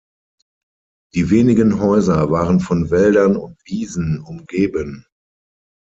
Die wenigen Häuser waren von Wäldern und Wiesen umgeben.